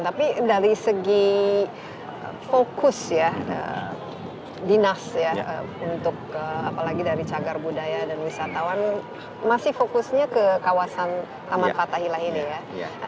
tapi dari segi fokus ya dinas ya untuk apalagi dari cagar budaya dan wisatawan masih fokusnya ke kawasan taman fathahillah ini ya